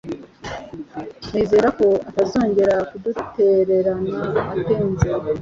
Nizere ko atazongera kudutererana atinze.